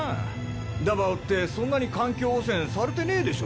ダバオってそんなに環境汚染されてねぇでしょ？